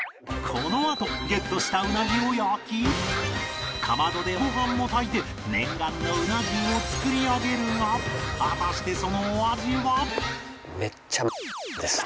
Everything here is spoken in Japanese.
このあとゲットしたウナギを焼きかまどでご飯も炊いて念願のうな重を作り上げるが果たしてそのお味は？